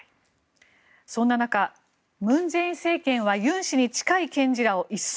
そんな中、文在寅政権はユン氏に近い検事らを一掃。